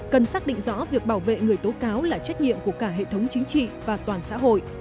cần xác định rõ việc bảo vệ người tố cáo là trách nhiệm của cả hệ thống chính trị và toàn xã hội